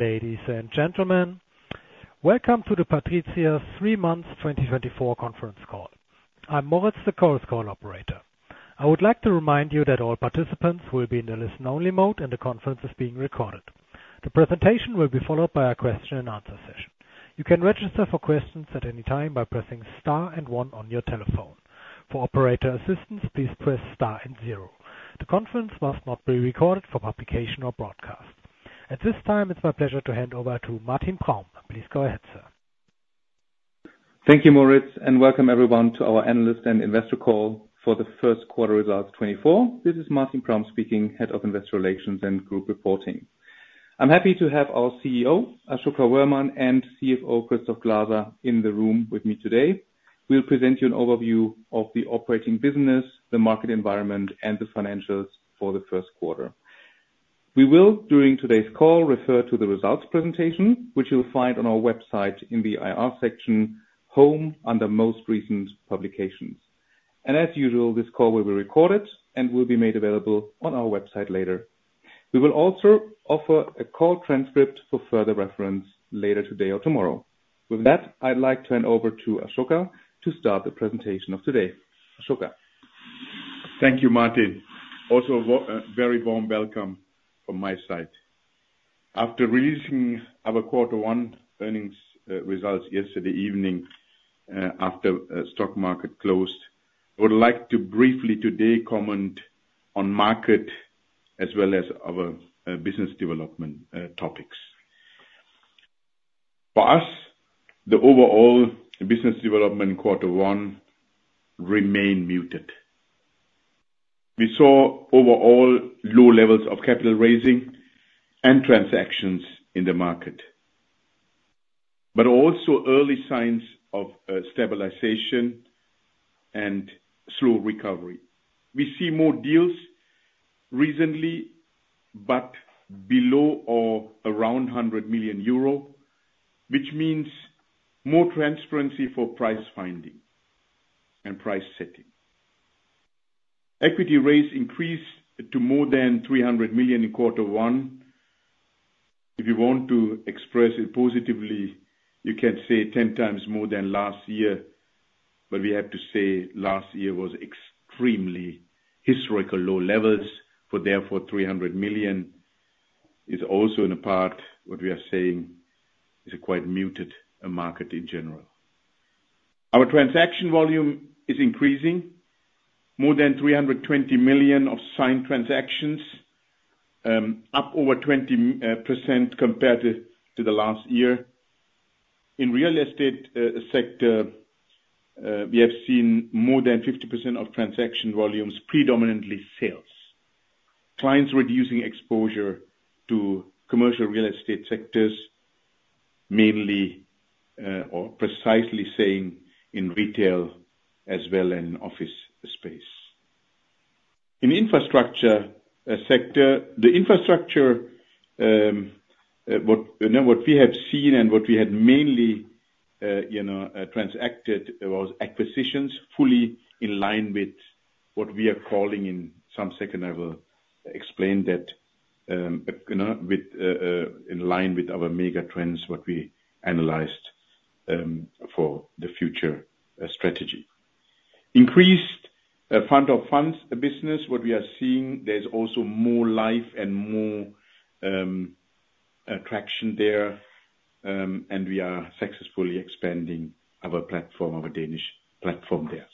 Ladies and gentlemen, welcome to the PATRIZIA three months 2024 conference call. I'm Moritz, the call operator. I would like to remind you that all participants will be in the listen-only mode and the conference is being recorded. The presentation will be followed by a question-and-answer session. You can register for questions at any time by pressing star and one on your telephone. For operator assistance, please press star and 0. The conference must not be recorded for publication or broadcast. At this time, it's my pleasure to hand over to Martin Praum. Please go ahead, sir. Thank you, Moritz, and welcome everyone to our analyst and investor call for the first quarter results 2024. This is Martin Praum speaking, Head of Investor Relations and Group Reporting. I'm happy to have our CEO, Asoka Wöhrmann, and CFO, Christoph Glaser, in the room with me today. We'll present you an overview of the operating business, the market environment, and the financials for the first quarter. We will, during today's call, refer to the results presentation, which you'll find on our website in the IR section, home under most recent publications. As usual, this call will be recorded and will be made available on our website later. We will also offer a call transcript for further reference later today or tomorrow. With that, I'd like to hand over to Asoka to start the presentation of today. Asoka. Thank you, Martin. Also, a very warm welcome from my side. After releasing our quarter one earnings results yesterday evening, after the stock market closed, I would like to briefly today comment on market as well as our business development topics. For us, the overall business development in quarter one remained muted. We saw overall low levels of capital raising and transactions in the market, but also early signs of stabilization and slow recovery. We see more deals recently but below or around 100 million euro, which means more transparency for price finding and price setting. Equity raise increased to more than 300 million in quarter one. If you want to express it positively, you can say 10x more than last year, but we have to say last year was extremely historical low levels. Therefore, 300 million is also in a part what we are saying is quite muted market in general. Our transaction volume is increasing, more than 320 million of signed transactions, up over 20% compared to the last year. In real estate sector, we have seen more than 50% of transaction volumes predominantly sales. Clients were reducing exposure to commercial real estate sectors, precisely saying in retail as well as in office space. In the infrastructure sector, what we have seen and what we had mainly transacted was acquisitions fully in line with what we are calling in some second level explained that in line with our mega trends, what we analyzed for the future strategy. Increased fund of funds business, what we are seeing, there's also more life and more traction there, and we are successfully expanding our Danish platform there.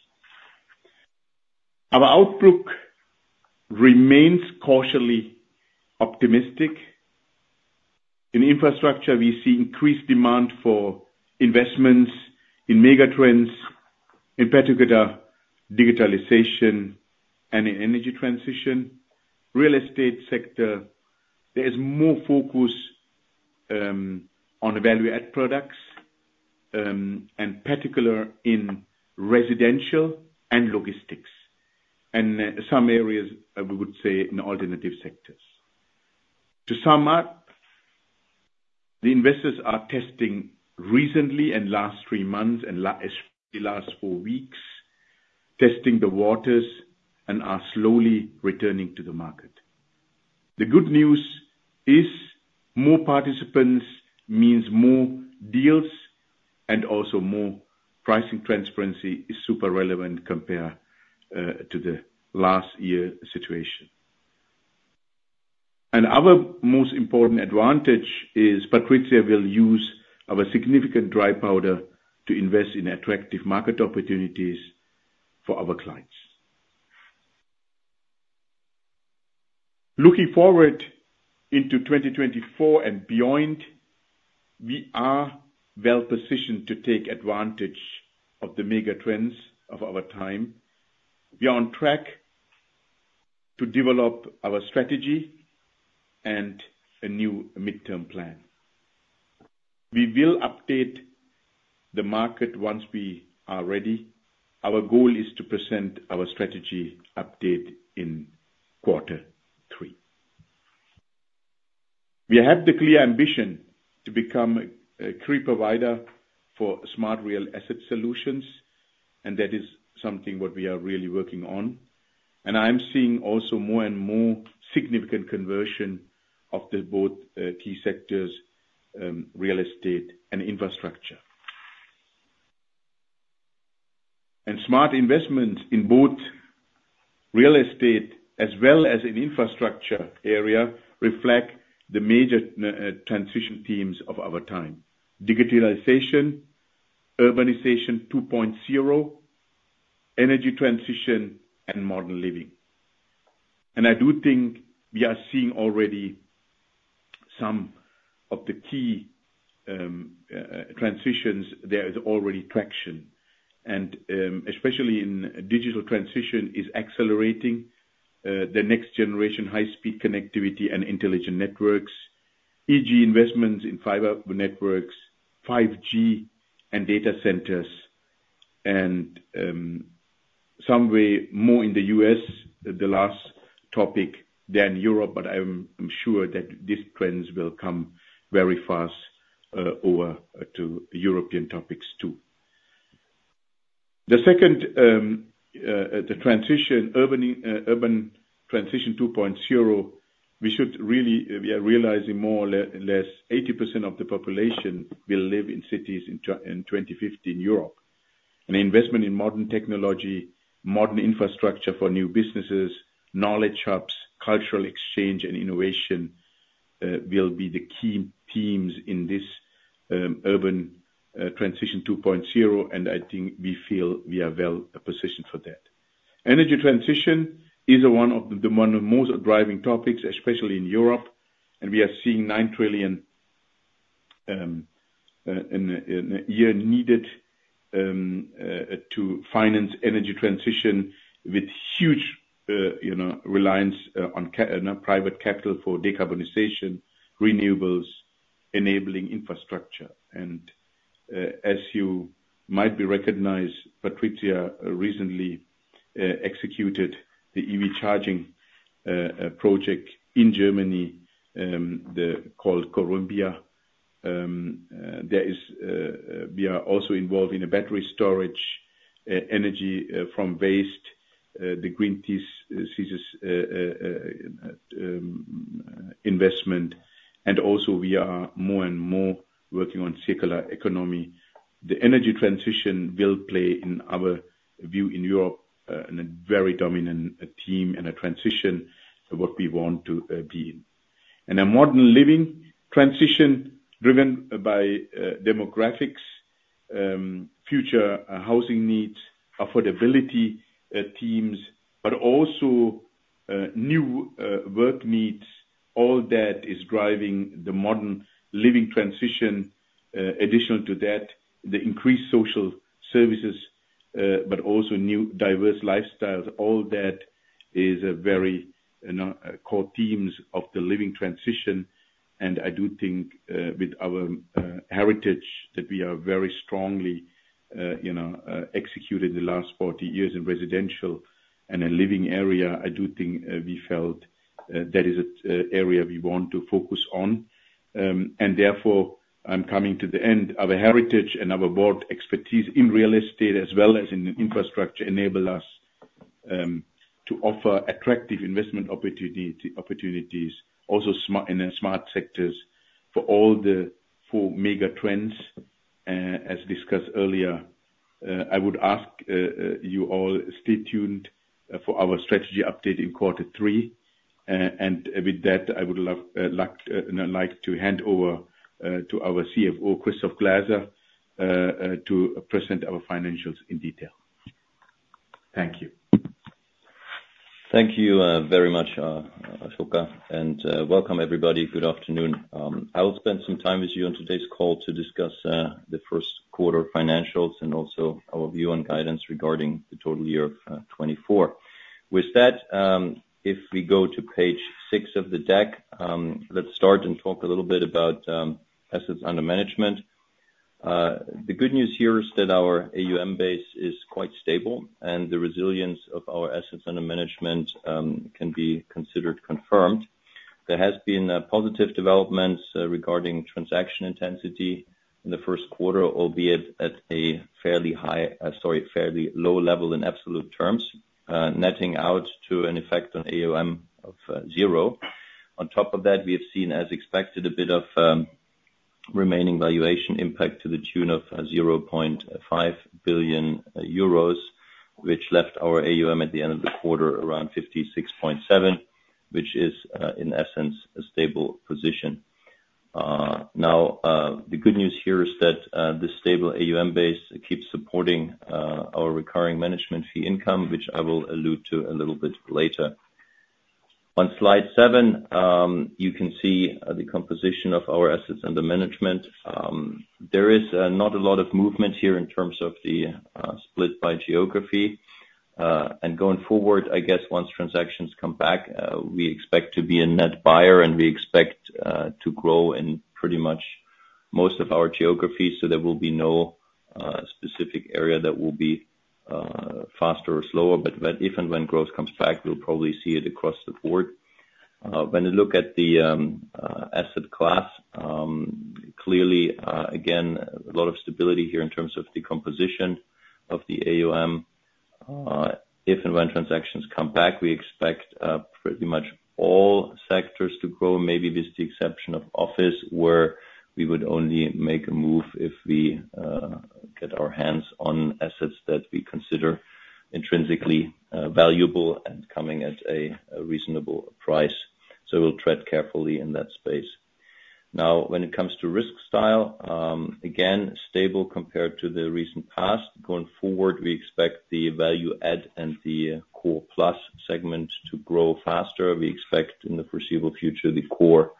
Our outlook remains cautiously optimistic. In infrastructure, we see increased demand for investments in mega trends, in particular digitalization and energy transition. In the real estate sector, there is more focus on value-added products, and particularly in residential and logistics, and some areas, we would say, in alternative sectors. To sum up, the investors are testing recently in the last three months and especially last four weeks, testing the waters, and are slowly returning to the market. The good news is more participants means more deals, and also more pricing transparency is super relevant compared to the last year situation. Our most important advantage is PATRIZIA will use our significant dry powder to invest in attractive market opportunities for our clients. Looking forward into 2024 and beyond, we are well-positioned to take advantage of the mega trends of our time. We are on track to develop our strategy and a new midterm plan. We will update the market once we are ready. Our goal is to present our strategy update in quarter three. We have the clear ambition to become a key provider for Smart real asset solutions, and that is something what we are really working on. I'm seeing also more and more significant conversion of both key sectors, real estate and infrastructure. Smart investments in both real estate as well as in infrastructure area reflect the major transition themes of our time: Digitalization, Urbanization 2.0, Energy transition, and Modern living. I do think we are seeing already some of the key transitions. There is already traction, and especially in digital transition is accelerating the next generation high-speed connectivity and intelligent networks, e.g. investments in fiber networks, 5G, and data centers. Somewhere more in the U.S., the last topic than Europe, but I'm sure that these trends will come very fast over to European topics too. The second, the Urban Transition 2.0, we are realizing more or less 80% of the population will live in cities in 2050 in Europe. Investment in modern technology, modern infrastructure for new businesses, knowledge hubs, cultural exchange, and innovation will be the key themes in this Urban Transition 2.0, and I think we feel we are well-positioned for that. Energy transition is one of the most driving topics, especially in Europe, and we are seeing 9 trillion a year needed to finance energy transition with huge reliance on private capital for decarbonization, renewables, enabling infrastructure. As you might recognize, PATRIZIA recently executed the EV charging project in Germany called Corymbia. We are also involved in battery storage, energy from waste, the Greenthesis investment, and also we are more and more working on circular economy. The energy transition will play, in our view in Europe, a very dominant theme and a transition what we want to be in. A modern living transition driven by demographics, future housing needs, affordability themes, but also new work needs, all that is driving the modern living transition. Additionally to that, the increased social services, but also new diverse lifestyles, all that is a very core themes of the living transition. I do think with our heritage that we are very strongly executed in the last 40 years in residential and in living area, I do think we felt that is an area we want to focus on. Therefore, I'm coming to the end. Our heritage and our broad expertise in real estate as well as in infrastructure enable us to offer attractive investment opportunities also in smart sectors for all the four mega trends. As discussed earlier, I would ask you all stay tuned for our strategy update in quarter three. With that, I would like to hand over to our CFO, Christoph Glaser, to present our financials in detail. Thank you. Thank you very much, Asoka, and welcome everybody. Good afternoon. I will spend some time with you on today's call to discuss the first quarter financials and also our view on guidance regarding the total year 2024. With that, if we go to page 6 of the deck, let's start and talk a little bit about assets under management. The good news here is that our AUM base is quite stable, and the resilience of our assets under management can be considered confirmed. There has been positive developments regarding transaction intensity in the first quarter, albeit at a fairly high sorry, fairly low level in absolute terms, netting out to an effect on AUM of 0. On top of that, we have seen, as expected, a bit of remaining valuation impact to the tune of 0.5 billion euros, which left our AUM at the end of the quarter around 56.7, which is, in essence, a stable position. Now, the good news here is that this stable AUM base keeps supporting our recurring management fee income, which I will allude to a little bit later. On slide seven, you can see the composition of our assets under management. There is not a lot of movement here in terms of the split by geography. And going forward, I guess once transactions come back, we expect to be a net buyer, and we expect to grow in pretty much most of our geography, so there will be no specific area that will be faster or slower. But if and when growth comes back, we'll probably see it across the board. When you look at the asset class, clearly, again, a lot of stability here in terms of the composition of the AUM. If and when transactions come back, we expect pretty much all sectors to grow, maybe with the exception of office, where we would only make a move if we get our hands on assets that we consider intrinsically valuable and coming at a reasonable price. So we'll tread carefully in that space. Now, when it comes to risk style, again, stable compared to the recent past. Going forward, we expect the value-add and the core plus segment to grow faster. We expect in the foreseeable future, the core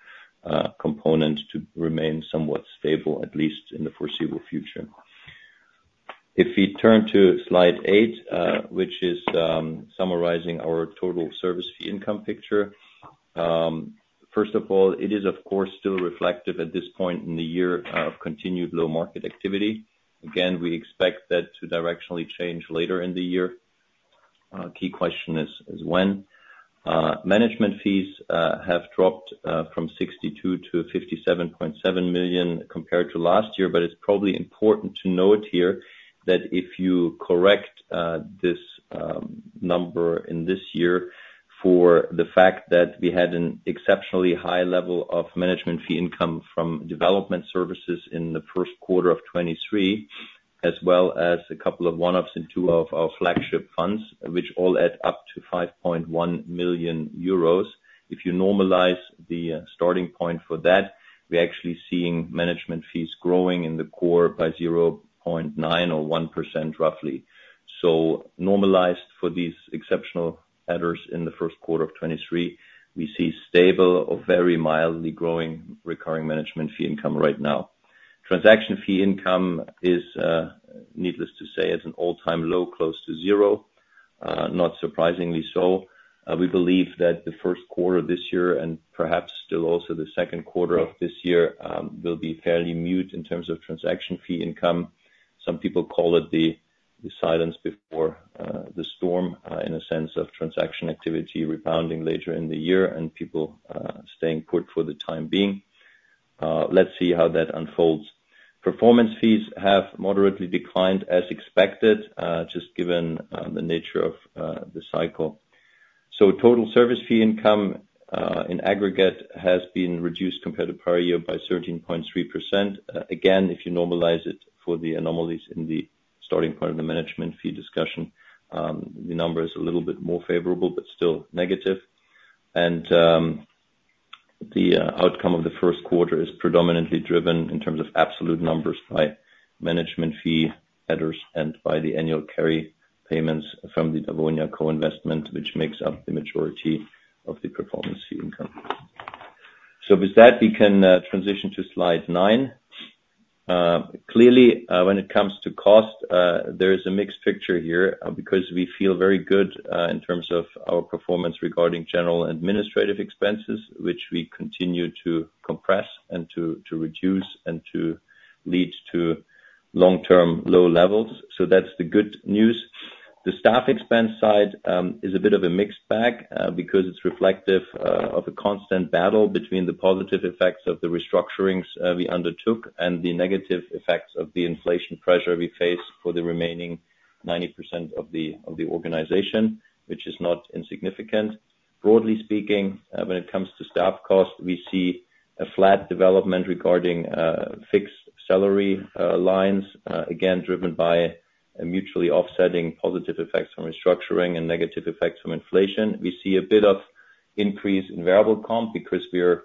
component to remain somewhat stable, at least in the foreseeable future. If we turn to Slide 8, which is summarizing our total service fee income picture, first of all, it is, of course, still reflective at this point in the year of continued low market activity. Again, we expect that to directionally change later in the year. Key question is when. Management fees have dropped from 62 million to 57.7 million compared to last year, but it's probably important to note here that if you correct this number in this year for the fact that we had an exceptionally high level of management fee income from development services in the first quarter of 2023, as well as a couple of one-offs and two of our flagship funds, which all add up to 5.1 million euros. If you normalize the starting point for that, we're actually seeing management fees growing in the core by 0.9% or 1% roughly. So normalized for these exceptional adders in the first quarter of 2023, we see stable or very mildly growing recurring management fee income right now. Transaction fee income is, needless to say, at an all-time low close to zero, not surprisingly so. We believe that the first quarter this year and perhaps still also the second quarter of this year will be fairly mute in terms of transaction fee income. Some people call it the silence before the storm in a sense of transaction activity rebounding later in the year and people staying put for the time being. Let's see how that unfolds. Performance fees have moderately declined as expected, just given the nature of the cycle. So total service fee income in aggregate has been reduced compared to prior year by 13.3%. Again, if you normalize it for the anomalies in the starting point of the management fee discussion, the number is a little bit more favorable but still negative. The outcome of the first quarter is predominantly driven in terms of absolute numbers by management fee adders and by the annual carry payments from the Dawonia co-investment, which makes up the majority of the performance fee income. With that, we can transition to Slide 9. Clearly, when it comes to cost, there is a mixed picture here because we feel very good in terms of our performance regarding general administrative expenses, which we continue to compress and to reduce and to lead to long-term low levels. That's the good news. The staff expense side is a bit of a mixed bag because it's reflective of a constant battle between the positive effects of the restructurings we undertook and the negative effects of the inflation pressure we face for the remaining 90% of the organization, which is not insignificant. Broadly speaking, when it comes to staff cost, we see a flat development regarding fixed salary lines, again, driven by mutually offsetting positive effects from restructuring and negative effects from inflation. We see a bit of increase in variable comp because we are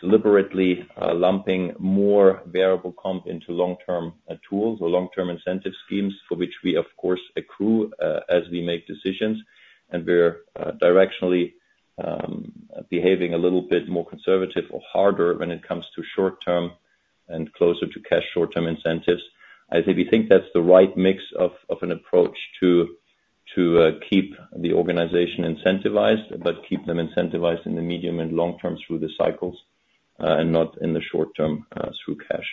deliberately lumping more variable comp into long-term tools or long-term incentive schemes for which we, of course, accrue as we make decisions. We're directionally behaving a little bit more conservative or harder when it comes to short-term and closer to cash short-term incentives. I think we think that's the right mix of an approach to keep the organization incentivized but keep them incentivized in the medium and long term through the cycles and not in the short term through cash.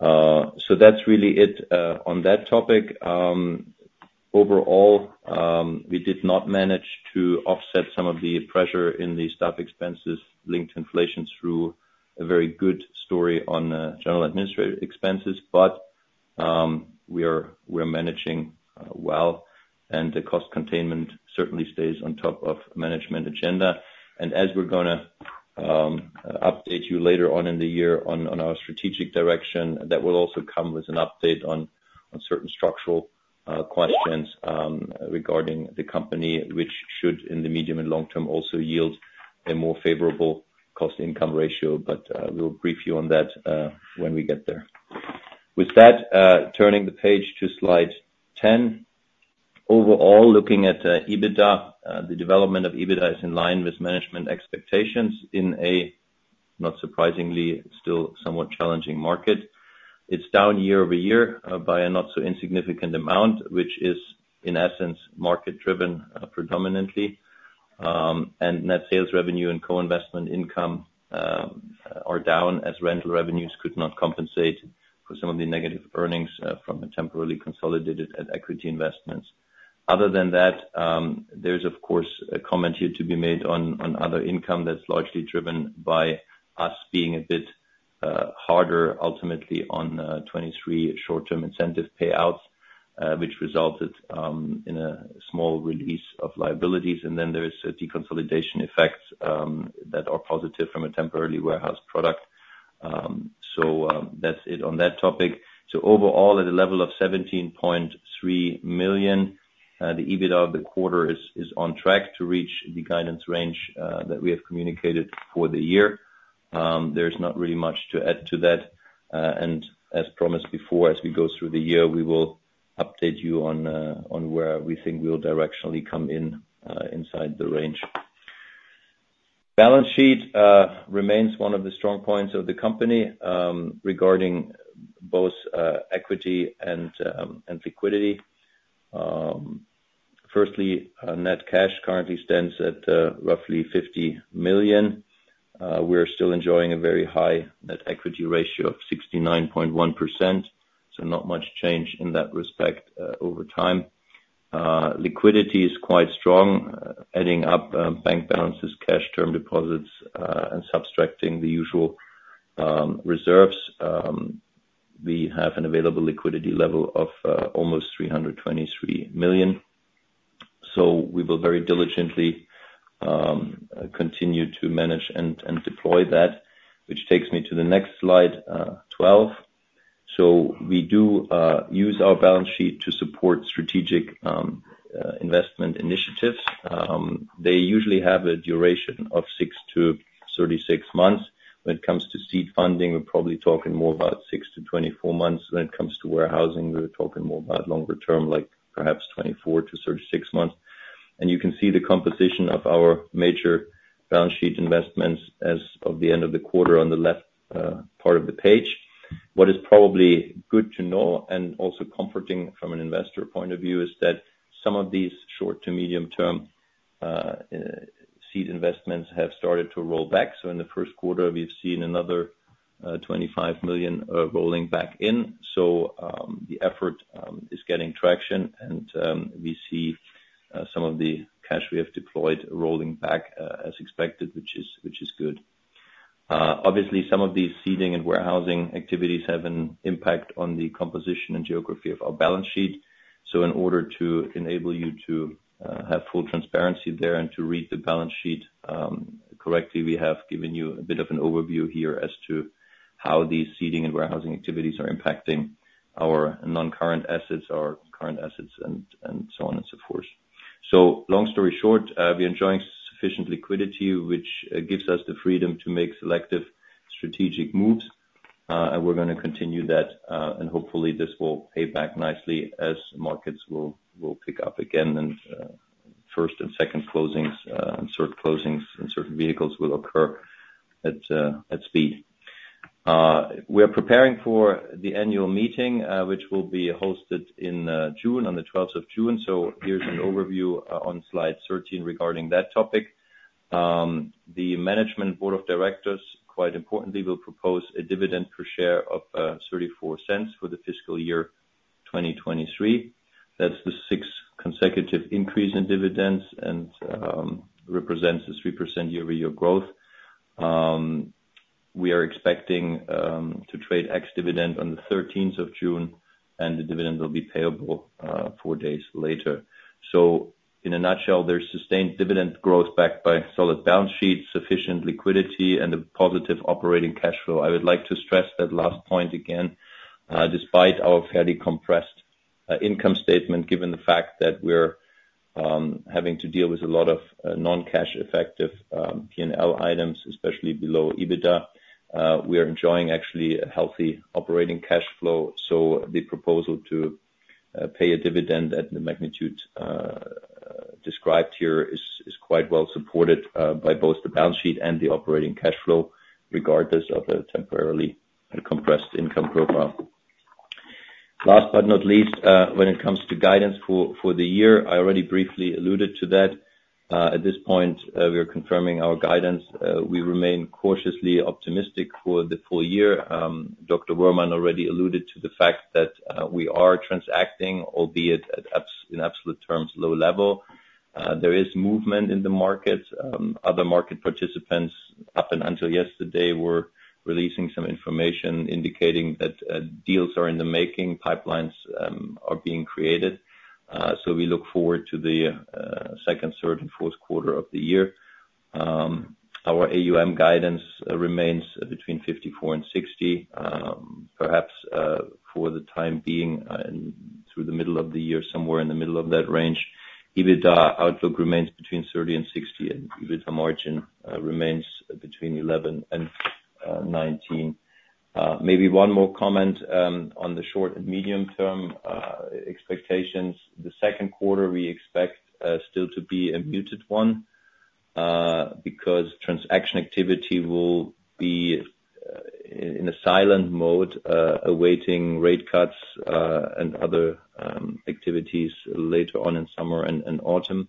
So that's really it on that topic. Overall, we did not manage to offset some of the pressure in the staff expenses linked to inflation through a very good story on general administrative expenses, but we are managing well, and the cost containment certainly stays on top of management agenda. And as we're going to update you later on in the year on our strategic direction, that will also come with an update on certain structural questions regarding the company, which should, in the medium and long term, also yield a more favorable cost-income ratio. But we'll brief you on that when we get there. With that, turning the page to Slide 10, overall, looking at EBITDA, the development of EBITDA is in line with management expectations in a, not surprisingly, still somewhat challenging market. It's down year-over-year by a not-so-insignificant amount, which is, in essence, market-driven predominantly. And net sales revenue and co-investment income are down as rental revenues could not compensate for some of the negative earnings from temporarily consolidated equity investments. Other than that, there's, of course, a comment here to be made on other income that's largely driven by us being a bit harder, ultimately, on 2023 short-term incentive payouts, which resulted in a small release of liabilities. And then there is a deconsolidation effect that are positive from a temporarily warehoused product. So that's it on that topic. Overall, at a level of 17.3 million, the EBITDA of the quarter is on track to reach the guidance range that we have communicated for the year. There's not really much to add to that. As promised before, as we go through the year, we will update you on where we think we'll directionally come in inside the range. Balance sheet remains one of the strong points of the company regarding both equity and liquidity. First, net cash currently stands at roughly 50 million. We're still enjoying a very high net equity ratio of 69.1%, so not much change in that respect over time. Liquidity is quite strong, adding up bank balances, cash, term deposits, and subtracting the usual reserves. We have an available liquidity level of almost 323 million. So we will very diligently continue to manage and deploy that, which takes me to the next Slide 12. So we do use our balance sheet to support strategic investment initiatives. They usually have a duration of 6-36 months. When it comes to seed funding, we're probably talking more about 6-24 months. When it comes to warehousing, we're talking more about longer term, like perhaps 24-36 months. And you can see the composition of our major balance sheet investments as of the end of the quarter on the left part of the page. What is probably good to know and also comforting from an investor point of view is that some of these short to medium-term seed investments have started to roll back. So in the first quarter, we've seen another 25 million rolling back in. So the effort is getting traction, and we see some of the cash we have deployed rolling back as expected, which is good. Obviously, some of these seeding and warehousing activities have an impact on the composition and geography of our balance sheet. So in order to enable you to have full transparency there and to read the balance sheet correctly, we have given you a bit of an overview here as to how these seeding and warehousing activities are impacting our non-current assets, our current assets, and so on and so forth. So long story short, we're enjoying sufficient liquidity, which gives us the freedom to make selective strategic moves. And we're going to continue that, and hopefully, this will pay back nicely as markets will pick up again and first and second closings and third closings and certain vehicles will occur at speed. We are preparing for the annual meeting, which will be hosted in June on the 12th of June. So here's an overview on Slide 13 regarding that topic. The management board of directors, quite importantly, will propose a dividend per share of 0.34 for the fiscal year 2023. That's the sixth consecutive increase in dividends and represents a 3% year-over-year growth. We are expecting to trade ex-dividend on the 13th of June, and the dividend will be payable four days later. So in a nutshell, there's sustained dividend growth backed by solid balance sheets, sufficient liquidity, and a positive operating cash flow. I would like to stress that last point again. Despite our fairly compressed income statement, given the fact that we're having to deal with a lot of non-cash effective P&L items, especially below EBITDA, we are enjoying, actually, a healthy operating cash flow. So the proposal to pay a dividend at the magnitude described here is quite well supported by both the balance sheet and the operating cash flow, regardless of a temporarily compressed income profile. Last but not least, when it comes to guidance for the year, I already briefly alluded to that. At this point, we are confirming our guidance. We remain cautiously optimistic for the full year. Dr. Wöhrmann already alluded to the fact that we are transacting, albeit in absolute terms, low level. There is movement in the markets. Other market participants, up until yesterday, were releasing some information indicating that deals are in the making, pipelines are being created. So we look forward to the second, third, and fourth quarter of the year. Our AUM guidance remains between 54-60, perhaps for the time being through the middle of the year, somewhere in the middle of that range. EBITDA outlook remains between 30-60, and EBITDA margin remains between 11%-19%. Maybe one more comment on the short and medium-term expectations. The second quarter, we expect still to be a muted one because transaction activity will be in a silent mode awaiting rate cuts and other activities later on in summer and autumn,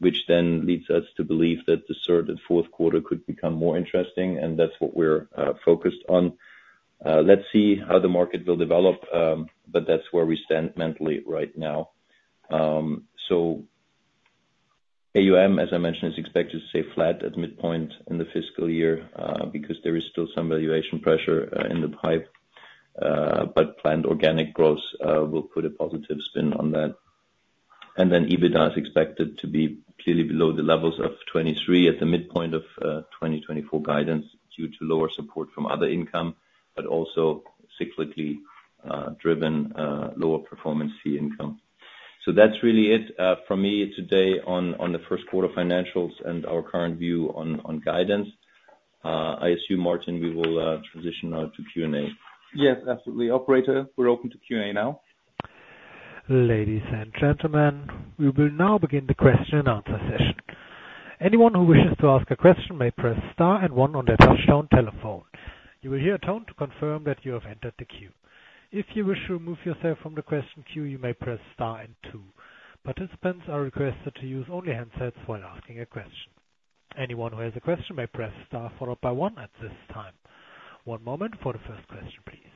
which then leads us to believe that the third and fourth quarter could become more interesting. That's what we're focused on. Let's see how the market will develop, but that's where we stand mentally right now. AUM, as I mentioned, is expected to stay flat at midpoint in the fiscal year because there is still some valuation pressure in the pipe, but planned organic growth will put a positive spin on that. EBITDA is expected to be clearly below the levels of 2023 at the midpoint of 2024 guidance due to lower support from other income but also cyclically driven lower performance fee income. That's really it from me today on the first quarter financials and our current view on guidance. I assume, Martin, we will transition now to Q&A. Yes, absolutely. Operator, we're open to Q&A now. Ladies and gentlemen, we will now begin the question-and-answer session. Anyone who wishes to ask a question may press star and one on their touch-tone telephone. You will hear a tone to confirm that you have entered the queue. If you wish to remove yourself from the question queue, you may press star and two. Participants are requested to use only handsets while asking a question. Anyone who has a question may press star, followed by one at this time. One moment for the first question, please.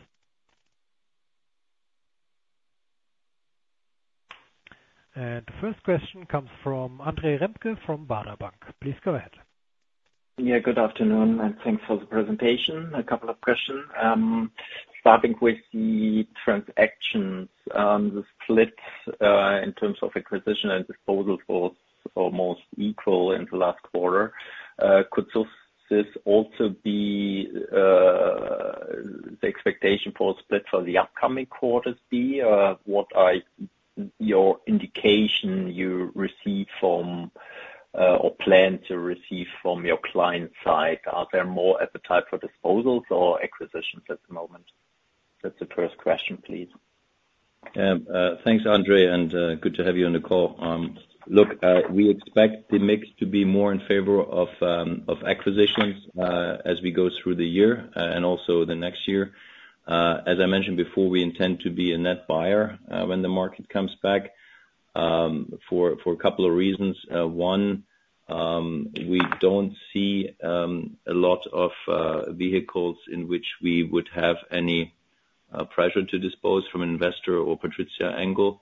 And the first question comes from Andre Remke from Baader Bank. Please go ahead. Yeah, good afternoon, and thanks for the presentation. A couple of questions. Starting with the transactions, the split in terms of acquisition and disposal was almost equal in the last quarter. Could this also be the expectation for a split for the upcoming quarters be? What are your indications you receive from or plan to receive from your client side? Are there more appetite for disposals or acquisitions at the moment? That's the first question, please. Yeah, thanks, Andre, and good to have you on the call. Look, we expect the mix to be more in favor of acquisitions as we go through the year and also the next year. As I mentioned before, we intend to be a net buyer when the market comes back for a couple of reasons. One, we don't see a lot of vehicles in which we would have any pressure to dispose from an investor or PATRIZIA angle.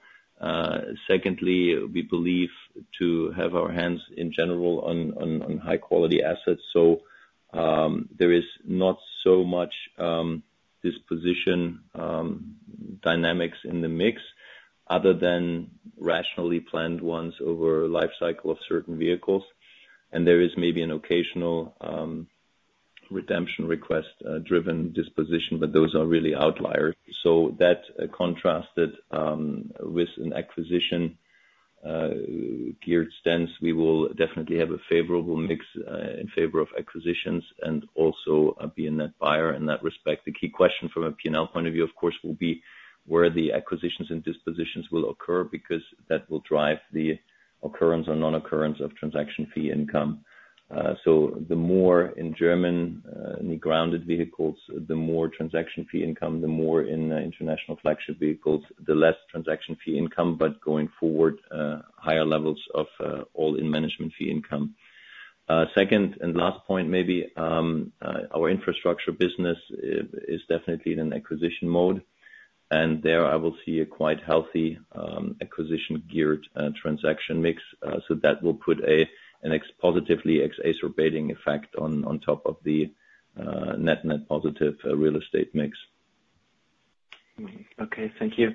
Secondly, we believe to have our hands, in general, on high-quality assets. So there is not so much disposition dynamics in the mix other than rationally planned ones over lifecycle of certain vehicles. And there is maybe an occasional redemption request-driven disposition, but those are really outliers. So that contrasted with an acquisition-geared stance, we will definitely have a favorable mix in favor of acquisitions and also be a net buyer in that respect. The key question from a P&L point of view, of course, will be where the acquisitions and dispositions will occur because that will drive the occurrence or non-occurrence of transaction fee income. So the more in Germany grounded vehicles, the more transaction fee income, the more in international flagship vehicles, the less transaction fee income, but going forward, higher levels of all-in management fee income. Second and last point, maybe, our infrastructure business is definitely in an acquisition mode. And there, I will see a quite healthy acquisition-geared transaction mix. So that will put a positively exacerbating effect on top of the net-net positive real estate mix. Okay, thank you.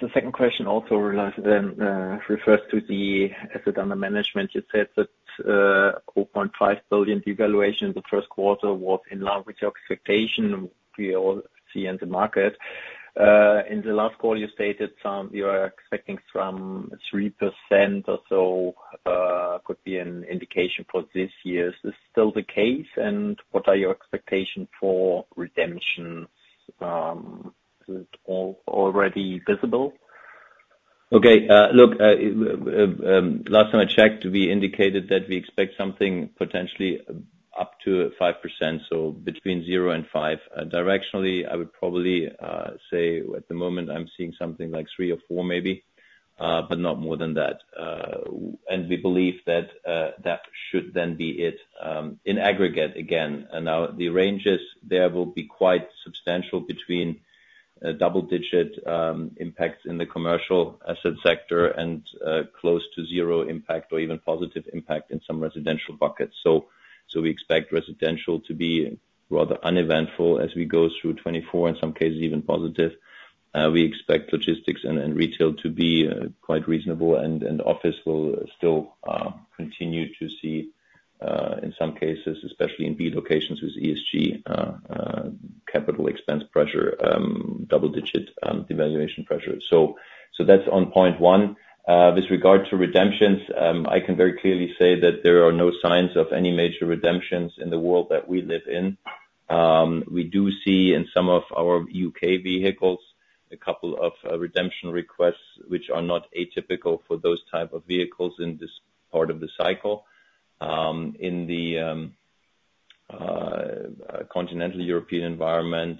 The second question also refers to the asset under management. You said that 0.5 billion devaluation in the first quarter was in line with your expectation, which we all see in the market. In the last call, you stated you are expecting some 3% or so could be an indication for this year. Is this still the case? And what are your expectations for redemption? Is it all already visible? Okay. Look, last time I checked, we indicated that we expect something potentially up to 5%, so between 0% and 5%. Directionally, I would probably say at the moment, I'm seeing something like three or four maybe, but not more than that. And we believe that that should then be it in aggregate again. Now, the ranges there will be quite substantial between double-digit impacts in the commercial asset sector and close to zero impact or even positive impact in some residential buckets. So we expect residential to be rather uneventful as we go through 2024, in some cases, even positive. We expect logistics and retail to be quite reasonable, and office will still continue to see, in some cases, especially in B locations with ESG capital expense pressure, double-digit devaluation pressure. So that's on point one. With regard to redemptions, I can very clearly say that there are no signs of any major redemptions in the world that we live in. We do see in some of our U.K. vehicles a couple of redemption requests, which are not atypical for those type of vehicles in this part of the cycle. In the continental European environment,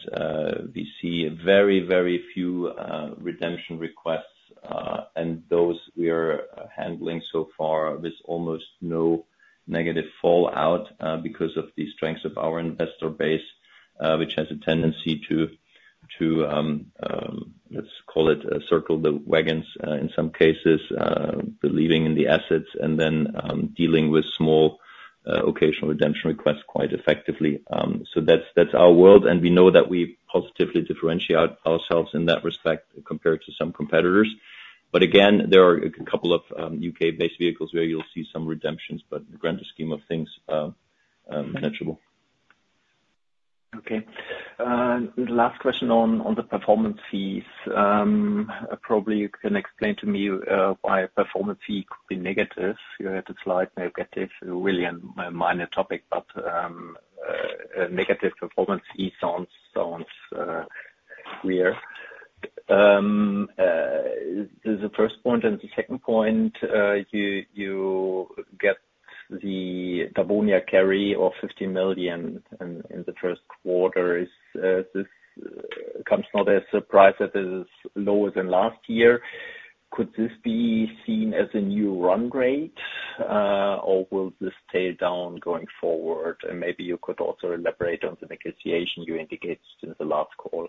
we see very, very few redemption requests. And those we are handling so far with almost no negative fallout because of the strengths of our investor base, which has a tendency to, let's call it, circle the wagons in some cases, believing in the assets, and then dealing with small occasional redemption requests quite effectively. So that's our world, and we know that we positively differentiate ourselves in that respect compared to some competitors. But again, there are a couple of U.K.-based vehicles where you'll see some redemptions, but the grand scheme of things, manageable. Okay. The last question on the performance fees. Probably, you can explain to me why a performance fee could be negative. You had a slightly negative really, and minor topic, but a negative performance fee sounds weird. The first point and the second point, you get the Dawonia carry of 50 million in the first quarter. This comes not as a surprise that this is lower than last year. Could this be seen as a new run rate, or will this tail down going forward? And maybe you could also elaborate on the negotiation you indicated in the last call.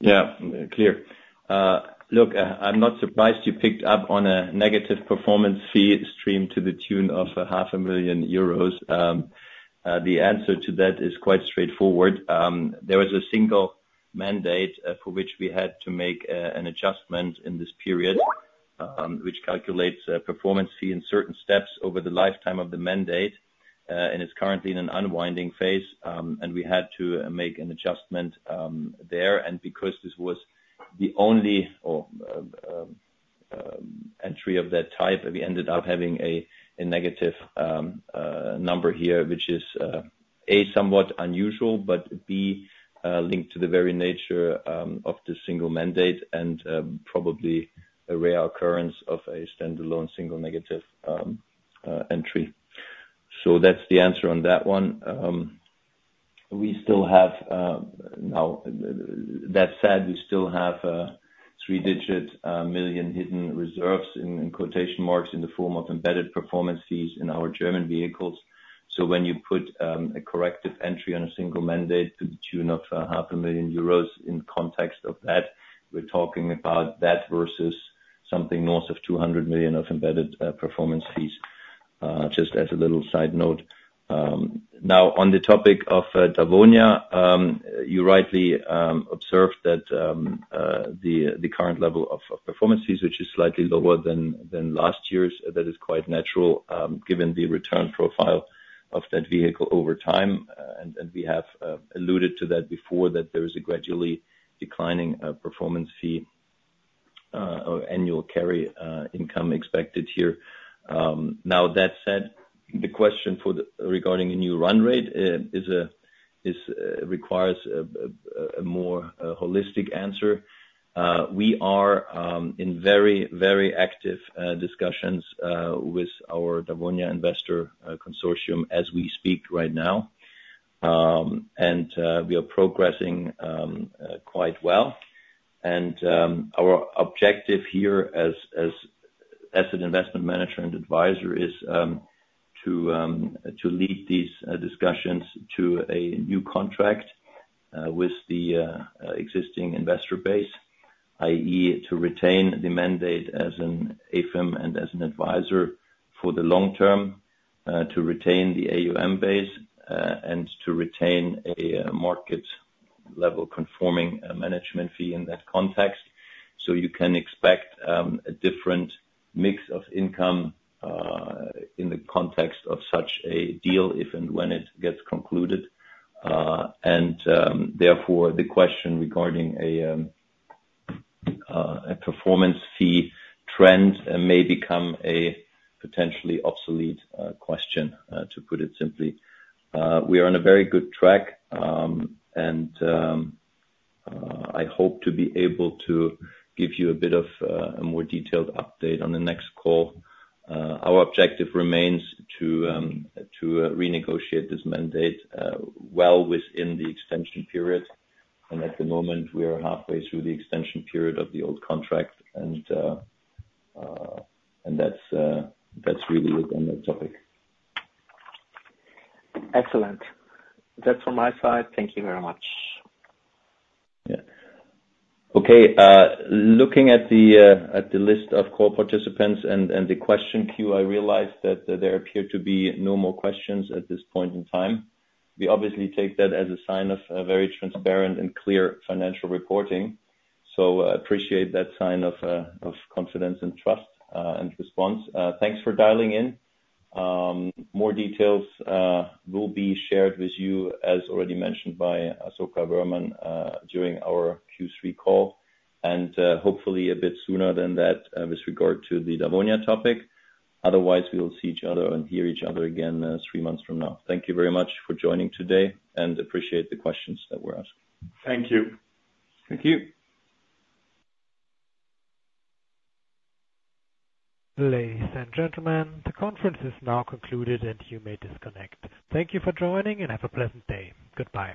Yeah, clear. Look, I'm not surprised you picked up on a negative performance fee stream to the tune of 500,000 euros. The answer to that is quite straightforward. There was a single mandate for which we had to make an adjustment in this period, which calculates a performance fee in certain steps over the lifetime of the mandate. And it's currently in an unwinding phase, and we had to make an adjustment there. And because this was the only entry of that type, we ended up having a negative number here, which is, A, somewhat unusual, but B, linked to the very nature of the single mandate and probably a rare occurrence of a standalone single negative entry. So that's the answer on that one. We still have, now that said, we still have three-digit million hidden reserves in quotation marks in the form of embedded performance fees in our German vehicles. So when you put a corrective entry on a single mandate to the tune of 500,000 euros in context of that, we're talking about that versus something north of 200 million of embedded performance fees, just as a little side note. Now, on the topic of Dawonia, you rightly observed that the current level of performance fees, which is slightly lower than last year's, that is quite natural given the return profile of that vehicle over time. And we have alluded to that before, that there is a gradually declining performance fee or annual carry income expected here. Now, that said, the question regarding a new run rate requires a more holistic answer. We are in very, very active discussions with our Dawonia investor consortium as we speak right now, and we are progressing quite well. Our objective here as an investment manager and advisor is to lead these discussions to a new contract with the existing investor base, i.e., to retain the mandate as an AIFM and as an advisor for the long term, to retain the AUM base, and to retain a market-level conforming management fee in that context. You can expect a different mix of income in the context of such a deal if and when it gets concluded. Therefore, the question regarding a performance fee trend may become a potentially obsolete question, to put it simply. We are on a very good track, and I hope to be able to give you a bit of a more detailed update on the next call. Our objective remains to renegotiate this mandate well within the extension period. At the moment, we are halfway through the extension period of the old contract, and that's really it on that topic. Excellent. That's from my side. Thank you very much. Yeah. Okay. Looking at the list of call participants and the question queue, I realized that there appear to be no more questions at this point in time. We obviously take that as a sign of very transparent and clear financial reporting. So I appreciate that sign of confidence and trust and response. Thanks for dialing in. More details will be shared with you, as already mentioned by Asoka Wöhrmann, during our Q3 call and hopefully a bit sooner than that with regard to the Dawonia topic. Otherwise, we will see each other and hear each other again three months from now. Thank you very much for joining today, and appreciate the questions that were asked. Thank you. Thank you. Ladies and gentlemen, the conference is now concluded, and you may disconnect. Thank you for joining, and have a pleasant day. Goodbye.